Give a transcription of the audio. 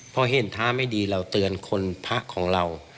พอเห็นท้าไม่ดีเราเตือนคนพระของเรา